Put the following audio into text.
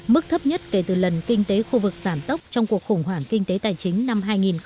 mức thấp nhất kể từ lần kinh tế khu vực giảm tốc trong cuộc khủng hoảng kinh tế tài chính năm hai nghìn một mươi